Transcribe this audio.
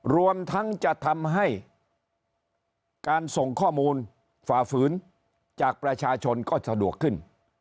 รวมทั้งจะทำให้การส่งข้อมูลฝ่าฝืนจากประชาชนก็สะดวกขึ้น